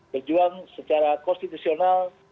berjuang secara konstitusional